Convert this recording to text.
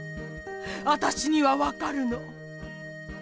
あたしにはわかるの！